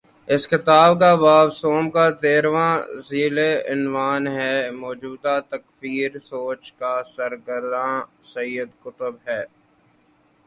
اس کتاب کے باب سوم کا تیرھواں ذیلی عنوان ہے: موجودہ تکفیری سوچ کا سرغنہ سید قطب ہے۔